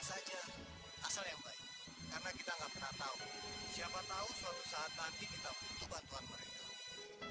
saja asal yang baik karena kita nggak pernah tahu siapa tahu suatu saat nanti kita butuh bantuan mereka